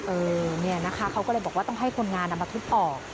เออเนี่ยนะคะเขาก็เลยบอกว่าต้องให้คนงานเอามาทุบออก